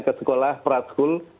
ke sekolah praskul